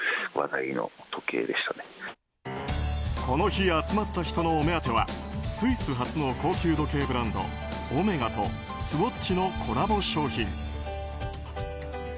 この日集まった人のお目当てはスイス発の高級時計ブランドオメガとスウォッチのコラボ商品。